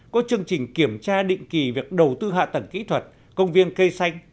có chương trình kiểm tra định kỳ việc đầu tư hạ tầng kỹ thuật công viên cây xanh